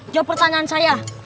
jawab pertanyaan saya